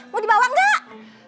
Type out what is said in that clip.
mau dibawa enggak